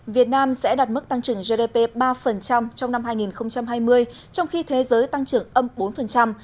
việt nam sẽ đạt mức tăng trưởng gdp ba trong năm hai nghìn hai mươi trong khi thế giới tăng trưởng âm bốn